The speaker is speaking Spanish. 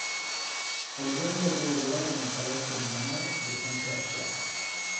El evento tuvo lugar en el Palacio Miramar de San Sebastian.